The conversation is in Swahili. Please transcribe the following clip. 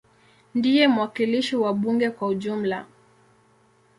Ndiye mwakilishi wa bunge kwa ujumla.